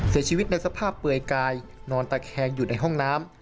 เสียชีวิตในสภาพเปลือยกายนอนตะแคงอยู่ในห้องน้ำ